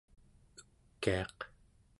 ekiaq